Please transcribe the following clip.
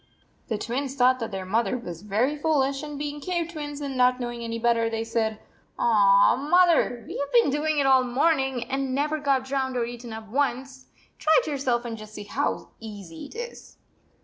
The Twins thought that their mother was very foolish, and, being cave twins, and not knowing any better, they said: "Aw, mother, we have been doing it all the morning, and never got drowned or eaten up once ! Try it yourself and just see how easy it is."